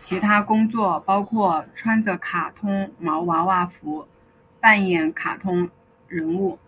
其他工作包括穿着卡通毛娃娃服扮演卡通人物。